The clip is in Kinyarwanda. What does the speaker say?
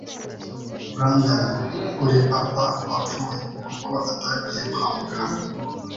Brandon, uri papa wapfuye kuko atagiye kwa muganga.